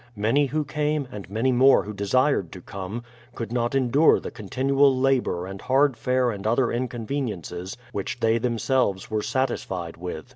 Alany who came and many more who desired to come, could not endure the continual labour and hard fare and other inconveniences which they themselves were satisfied with.